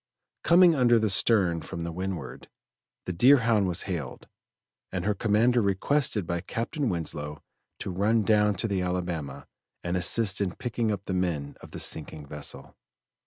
Coming under the stern from the windward, the Deerhound was hailed, and her commander requested by Captain Winslow to run down to the Alabama and assist in picking up the men of the sinking vessel.